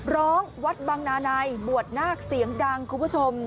ร้องวัดบังนาในบวชนาคเสียงดังคุณผู้ชม